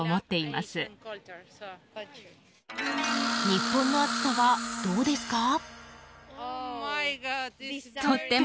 日本の暑さは、どうですか？